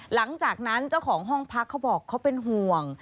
หลังจากนั้นเจ้าของห้องพักเขาบอกเขาเป็นห่วง